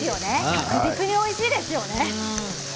確実においしいですよね。